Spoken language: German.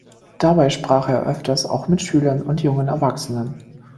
Dabei sprach er öfters auch mit Schülern und jungen Erwachsenen.